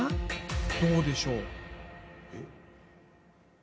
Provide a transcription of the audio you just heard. どうでしょう？